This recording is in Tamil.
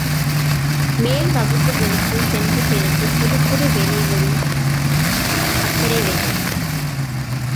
மேல் வகுப்புகளுக்குச் சென்ற பிறகு, புதுப் புது வேலைகளி அக்கறையேற்படும்.